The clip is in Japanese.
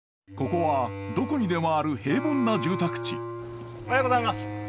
ここはどこにでもある平凡な住宅地おはようございます。